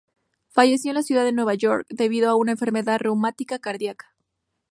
Falleció en la ciudad de Nueva York debido a una enfermedad reumática cardíaca.